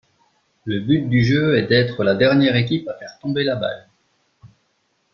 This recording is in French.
Le but du jeu est d’être la dernière équipe à faire tomber la balle.